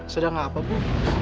sedang apa bu